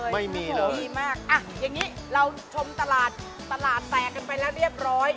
ไม่มีเลยอาจเรียบร้อย